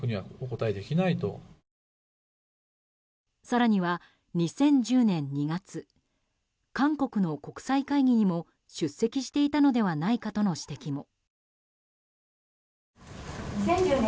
更には、２０１０年２月韓国の国際会議にも出席していたのではないかとの指摘も。